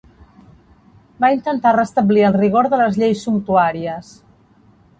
Va intentar restablir el rigor de les lleis sumptuàries.